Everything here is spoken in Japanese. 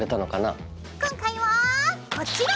今回はこちら！